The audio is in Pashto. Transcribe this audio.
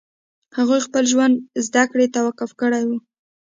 هغو خپل ژوند زدکړې ته وقف کړی و